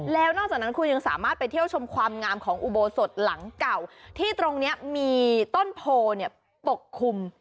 แล้วนอกจากนั้นคุณยังสามารถไปเที่ยวชมความงามของอุโบสถหลังเก่าที่ตรงนี้มีต้นโพเนี่ยปกคลุม